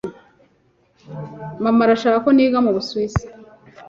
Mama arashaka ko niga mu Busuwisi.